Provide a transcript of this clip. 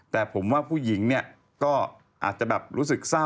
แต่ผมว่าผู้หญิงเนี่ยก็อาจจะแบบรู้สึกเศร้า